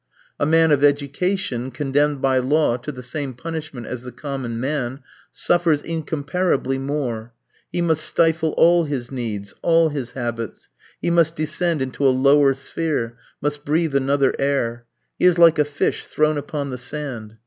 A man of education, condemned by law to the same punishment as the common man, suffers incomparably more. He must stifle all his needs, all his habits, he must descend into a lower sphere, must breathe another air. He is like a fish thrown upon the sand.